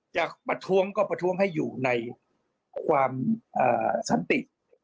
ประท้วงก็ประท้วงให้อยู่ในความสันติ